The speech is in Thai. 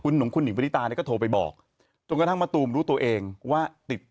ของคุณหิงปณิตาเนี่ยก็โทรไปบอกจนกระทั่งมะตูมรู้ตัวเองว่าติด